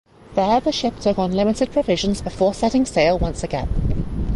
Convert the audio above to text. There the ship took on limited provisions before setting sail once again.